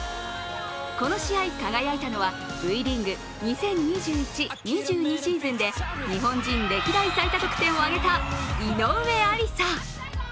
この試合、輝いたのはＶリーグ２０２１−２２シーズンで、日本人歴代最多得点を挙げた井上愛里沙。